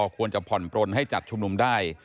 ควรจะผ่อนปลนให้จัดชุมนุมได้